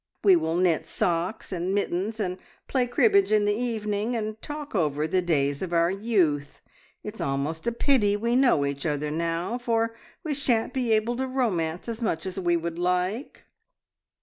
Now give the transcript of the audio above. We will knit socks and mittens, and play cribbage in the evening, and talk over the days of our youth. It's almost a pity we know each other now, for we shan't be able to romance as much as we would like!"